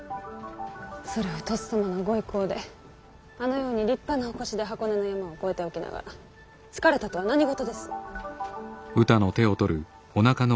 それをとっさまの御威光であのように立派なお輿で箱根の山を越えておきながら疲れたとは何事です。